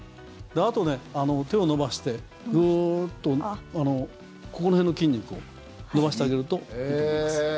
あと、手を伸ばしてグーッとここの辺の筋肉を伸ばしてあげるといいと思います。